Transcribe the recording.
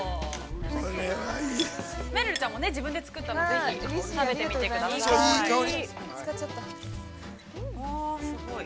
めるるちゃんも自分で作ったのを食べてみてください。